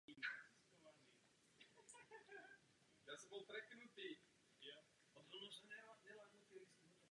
Díky němu se golf stal jedním z nejpopulárnějších sportů na světě.